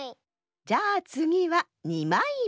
じゃあつぎは２まいめ。